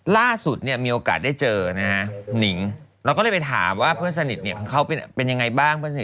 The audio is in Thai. ล่าสุดเนี่ยมีโอกาสได้เจอนะฮะหนิงเราก็เลยไปถามว่าเพื่อนสนิทเนี่ยเขาเป็นยังไงบ้างสิ